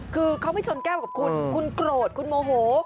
คือเขาไม่ชนแก้วกับคุณคุณโกรธคุณโมโห